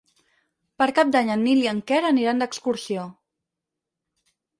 Per Cap d'Any en Nil i en Quer aniran d'excursió.